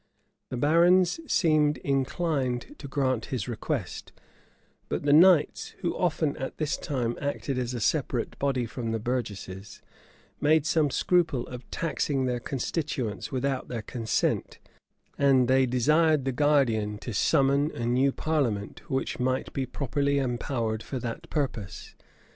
The barons seemed inclined to grant his request; but the knights, who often, at this time, acted as a separate body from the burgesses, made some scruple of taxing their constituents without their consent; and they desired the guardian to summon a new parliament, which might be properly empowered for that purpose.